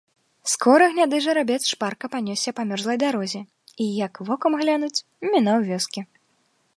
Скора гняды жарабец шпарка панёсся па мёрзлай дарозе і, як вокам глянуць, мінаў вёскі.